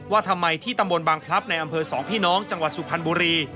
ว่าทำไมที่ตำบลบางพลับในอำเภอสองพี่น้องจังหวัดสุพรรณบุรี